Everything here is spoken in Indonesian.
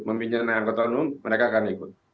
pemimpinnya naik kota numu mereka akan ikut